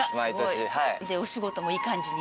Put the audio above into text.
でお仕事もいい感じに増えて。